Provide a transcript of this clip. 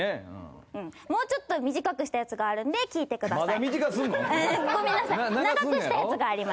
もうちょっと短くしたやつがあるんで聞いてください。